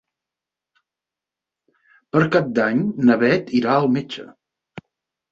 Per Cap d'Any na Bet irà al metge.